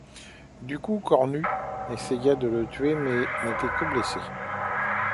Du coup, Cornu essaya de le tuer mais n'était que blesser.